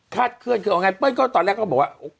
คาชขึ้นคือเอาไงเป้าล์นก็ตอนแรกก็บอกว่าอู๊เป้า